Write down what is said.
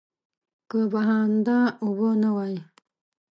که بهانده اوبه نه وای.